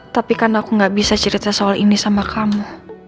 tapi kan aku gak bisa cerita soal ini sama kamu